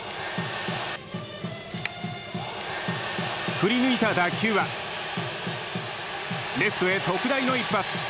振り抜いた打球はレフトへ特大の一発！